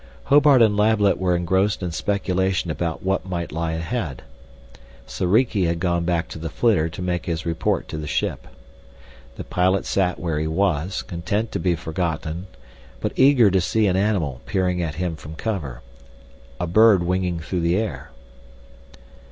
Hobart and Lablet were engrossed in speculation about what might lie ahead. Soriki had gone back to the flitter to make his report to the ship. The pilot sat where he was, content to be forgotten, but eager to see an animal peering at him from cover, a bird winging through the air.